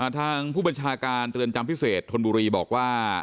ทางผู้บัญชาการเรือนจำพิเศษธนบุรีบอกว่า